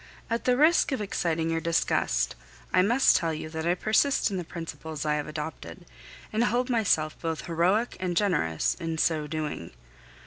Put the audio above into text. At the risk of exciting your disgust, I must tell you that I persist in the principles I have adopted, and hold myself both heroic and generous in so doing.